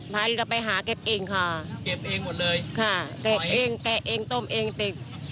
ป้าจิ๋วไปหาเก็บเองค่ะเก็บเองหมดเลยค่ะแกะเองต้มเองติด